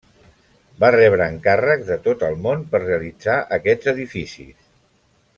Va rebre encàrrecs de tot el món per realitzar aquests edificis.